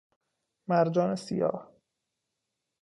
مرجان سیاه